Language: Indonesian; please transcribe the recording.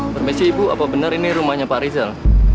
permisi ibu apa benar ini rumahnya pak rizal